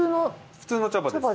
普通の茶葉です。